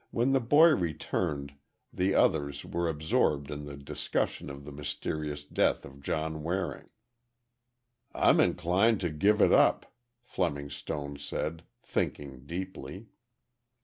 When the boy returned the others were absorbed in the discussion of the mysterious death of John Waring. "I'm inclined to give it up," Fleming Stone said, thinking deeply.